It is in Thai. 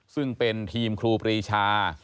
ซึ่งเป็นทีมครูปรีชา